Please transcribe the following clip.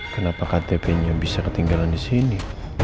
kenapa ktpnya bisa ketinggalan disini